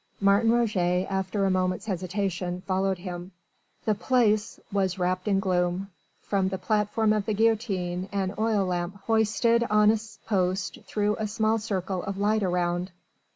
Martin Roget, after a moment's hesitation, followed him. The Place was wrapped in gloom. From the platform of the guillotine an oil lamp hoisted on a post threw a small circle of light around.